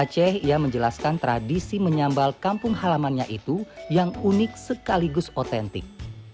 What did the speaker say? aceh ia menjelaskan tradisi menyambal kampung halamannya itu yang unik sekaligus otentik